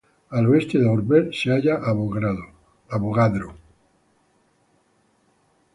Al este de Oberth se halla Avogadro.